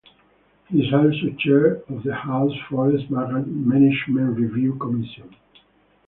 He is also chair of the House Forest Management Review Commission.